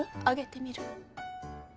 あげてみる？